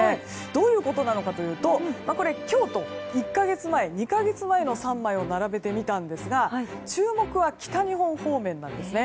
どういうことなのかというとこれ、今日と１か月前２か月前の３枚を並べてみたんですが注目は北日本方面です。